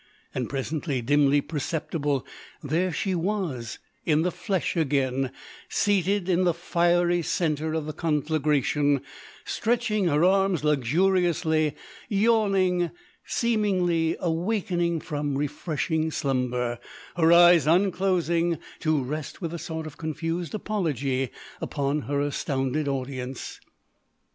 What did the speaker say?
And, presently, dimly perceptible, there she was in the flesh again, seated in the fiery centre of the conflagration, stretching her arms luxuriously, yawning, seemingly awakening from refreshing slumber, her eyes unclosing to rest with a sort of confused apology upon her astounded audience.